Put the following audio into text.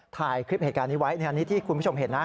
ถ่ายคลิปเหตุการณ์นี้ไว้อันนี้ที่คุณผู้ชมเห็นนะ